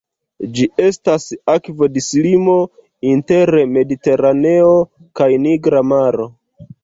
Ĝi estas akvodislimo inter Mediteraneo kaj Nigra Maro.